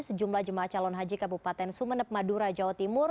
sejumlah jemaah calon haji kabupaten sumeneb madura jawa timur